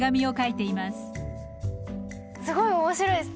すごい面白いです。